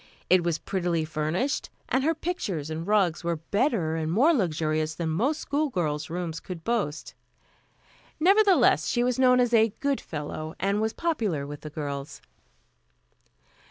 It was prettily furnished, and her pictures and rugs were better and more luxurious than most schoolgirls' rooms could boast. Nevertheless, she was known as "a good fellow," and was popular with the girls.